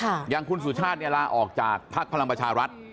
แต่ถ้ายังคุณสุชาตินี้ลาออกจากภักดิ์พรรณบัชรัฐ